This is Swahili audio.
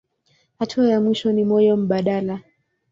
Hatua ya mwisho ni moyo mbadala.